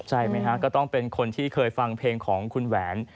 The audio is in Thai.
ใช่ไหมฮะก็ต้องเป็นคนที่เคยฟังเพลงของคุณแหวน